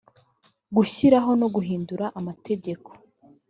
gushyiraho no guhindura amategeko